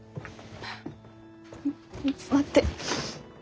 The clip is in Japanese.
待って。